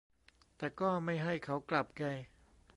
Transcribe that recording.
แต่ก็ไม่ให้เขากลับไง